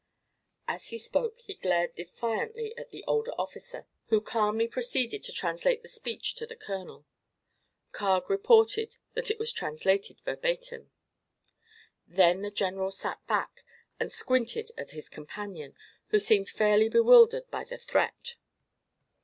As he spoke he glared defiantly at the older officer, who calmly proceeded to translate the speech to the colonel. Carg reported that it was translated verbatim. Then the general sat back and squinted at his companion, who seemed fairly bewildered by the threat.